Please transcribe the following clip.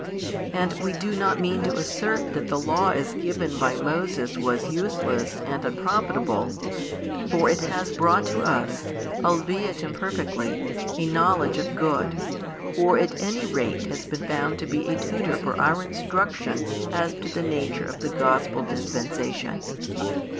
And we do not mean to assert that the Law as given by Moses was useless and unprofitable: for it has brought to us, albeit imperfectly, a knowledge of good, or at any rate has been found to be a tutor for our instruction as to the nature of the Gospel dispensation.